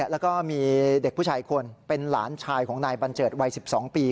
แล้วก็มีเด็กผู้ชายอีกคนเป็นหลานชายของนายบัญเจิดวัย๑๒ปี